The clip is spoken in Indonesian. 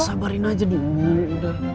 sabarin aja dulu udah